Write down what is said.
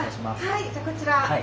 はいじゃあこちら。